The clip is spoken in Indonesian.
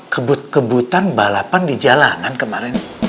kebut kebutan balapan di jalanan kemarin